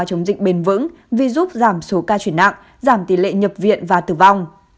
chống dịch bền vững vì giúp giảm số ca chuyển nặng giảm tỷ lệ nhập viện và tử vong